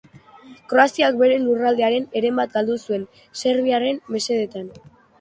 Kroaziak bere lurraldearen heren bat galdu zuen, serbiarren mesedetan.